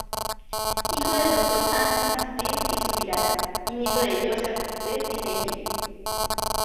Hijo del doctor Antoni Esteve y Subirana y nieto de Josep Esteve y Seguí.